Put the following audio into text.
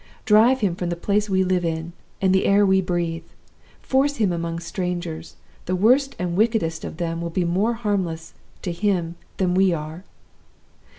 Drive him from the place we live in, and the air we breathe. Force him among strangers the worst and wickedest of them will be more harmless to him than we are!